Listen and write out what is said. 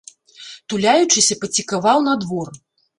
Туляючыся, пацікаваў на двор.